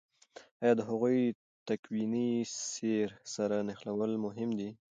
آیا د هغوی تکويني سير سره نښلول مهم دي؟